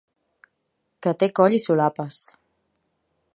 Que té coll i solapes.